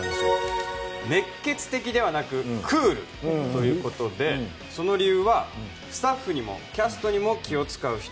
熱血的ではなくクールということでその理由は、スタッフにもキャストにも気を使う人。